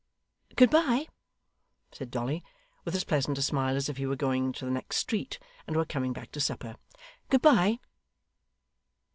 'Good bye' said Dolly with as pleasant a smile as if he were going into the next street, and were coming back to supper; 'good bye.